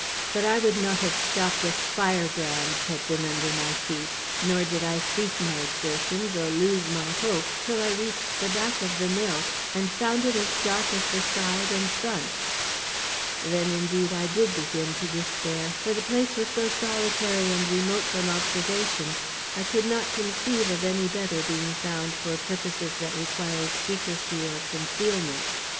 But I would not have stopped if firebrands had been under my feet, nor did I cease my exertions or lose my hope till I reached the back of the mill and found it as dark as the side and front. Then indeed I did begin to despair, for the place was so solitary and remote from observation, I could not conceive of any better being found for purposes that required secrecy or concealment.